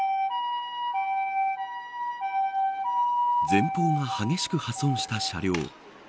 前方が激しく破損した車両。